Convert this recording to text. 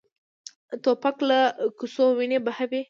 توپک له کوڅو وینه بهوي.